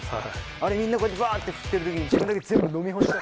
あれみんなこうやってバーッて振ってる時に自分だけ全部飲み干した。